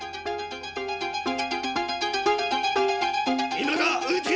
今だ撃て！